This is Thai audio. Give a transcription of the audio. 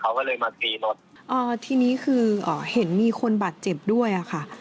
เขาก็เลยมาตีรถอ๋อทีนี้คือเห็นมีคนบาดเจ็บด้วยอ่ะค่ะ